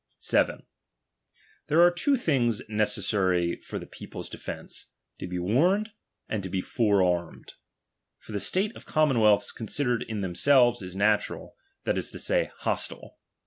7. There are two things necessary for the peo t pie's defence ; to be warned and to be forearmed, iii For the state of commonwealths considered in"" themselves, is natural, that is to say, hostile.